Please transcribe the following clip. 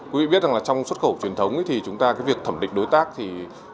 quý vị biết rằng là trong xuất khẩu truyền thống thì chúng ta cái việc thẩm định đối tác thì